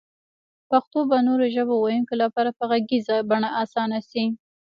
پښتو به نورو ژبو ويونکو لپاره په غږيزه بڼه اسانه شي